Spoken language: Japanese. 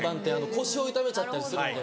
腰を痛めちゃったりするので。